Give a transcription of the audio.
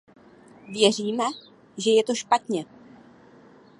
Věříme, že je to špatně.